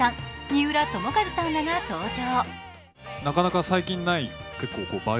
三浦友和さんらが登場。